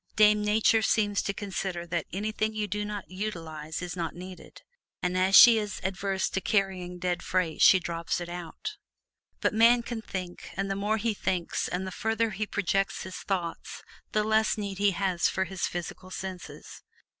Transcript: Dame Nature seems to consider that anything you do not utilize is not needed; and as she is averse to carrying dead freight she drops it out. But man can think, and the more he thinks and the further he projects his thought, the less need he has for his physical senses.